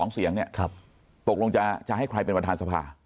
๒เสียงเนี่ยตกลงจะให้ใครเป็นประธานสภา